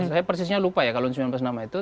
saya persisnya lupa ya kalau sembilan belas nama itu